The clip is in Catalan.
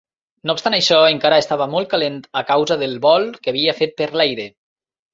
No obstant això, encara estava molt calent a causa del vol que havia fet per l'aire.